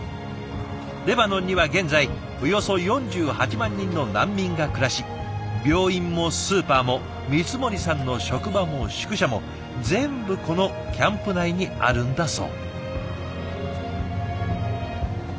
レバノンには現在およそ４８万人の難民が暮らし病院もスーパーも光森さんの職場も宿舎も全部このキャンプ内にあるんだそう。